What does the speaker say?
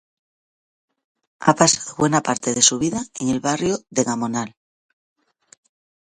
Ha pasado buena parte de su vida en el barrio de Gamonal.